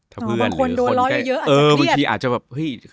บางคนโดนล้อเยอะอาจจะเครียด